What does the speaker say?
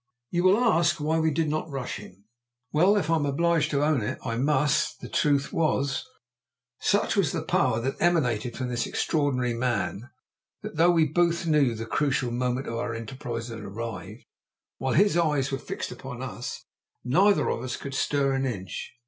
You will ask why we did not rush at him? Well, if I am obliged to own it, I must the truth was, such was the power that emanated from this extraordinary man, that though we both knew the crucial moment of our enterprise had arrived, while his eyes were fixed upon us, neither of us could stir an inch.